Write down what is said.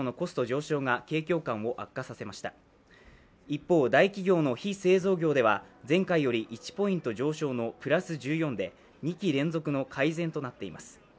一方、大企業の非製造業では前回より１ポイント上昇のプラス１４で、２期連続の改善となっています。